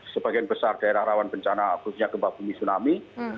sebagian besar daerah rawan bencana khususnya gempa bumi tsunami